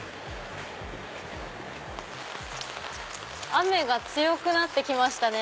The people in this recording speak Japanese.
雨が強くなってきましたね。